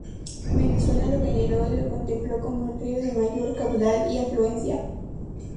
Venezuela lo veneró y lo contempló como el río de mayor caudal y afluencia.